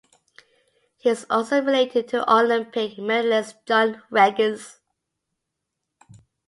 He is also related to Olympic medallist John Regis.